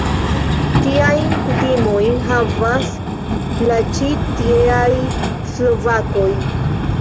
Tiajn kutimojn havas la ĉi tieaj Slovakoj.